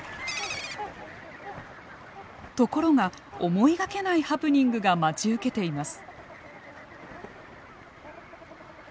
ところが思いがけないハプニングが待ち受けています。